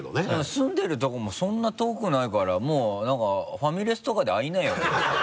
住んでるとこもそんな遠くないからもうなんかファミレスとかで会いなよ。